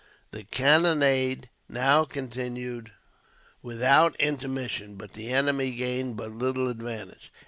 The cannonade now continued without intermission, but the enemy gained but little advantage.